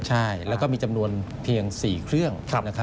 ใช่แล้วก็มีจำนวนเพียง๔เครื่อง